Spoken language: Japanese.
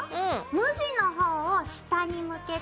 無地の方を下に向けて置きます。